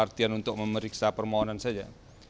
artian untuk memeriksa permohonan saja